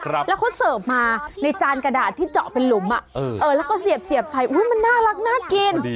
แล้วเขาเสิร์ฟมาในจานกระดาษที่เจาะเป็นหลุมอ่ะเออแล้วก็เสียบใส่อุ้ยมันน่ารักน่ากิน